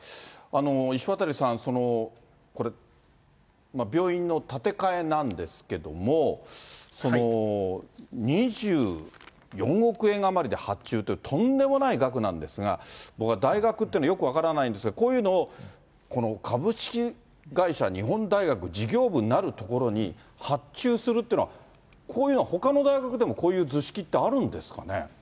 石渡さん、これ、病院の建て替えなんですけども、２４億円余りで発注って、とんでもない額なんですが、僕は大学というのはよく分からないんですが、こういうのをこの株式会社日本大学事業部なるところに発注するというのは、こういうのはほかの大学でもこういう図式ってあるんですかね。